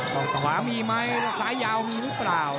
ต้องขวามีไหมซ้ายยาวมีหรือเปล่า